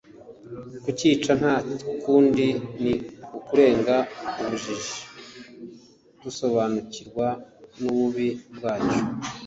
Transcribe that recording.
Kuyica nta kundi ni ukurenga ubujiji dusobanukirwa n'ububi bwayo.